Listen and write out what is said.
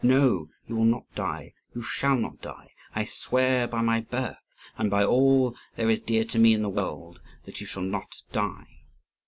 No, you will not die, you shall not die! I swear by my birth and by all there is dear to me in the world that you shall not die.